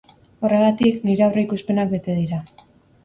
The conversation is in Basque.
Horregatik, nire aurreikuspenak bete dira.